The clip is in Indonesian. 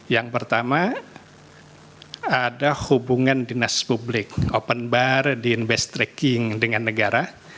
yang pertama ada hubungan dinas publik open bar di in best tracking dengan negara